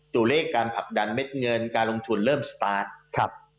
ตัวเลขการผลักดันเม็ดเงินการลงทุนเริ่มสตาร์ทครับ